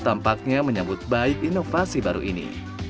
tampaknya menyambut baik inovasi baru ini